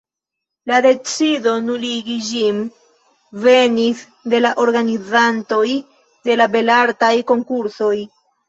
La decido nuligi ĝin venis de la organizantoj de la Belartaj Konkursoj.